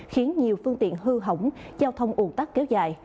khiến nhiều phương tiện hư hỏng giao thông ủn tắc kéo dài